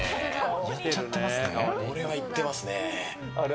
いっちゃってますね。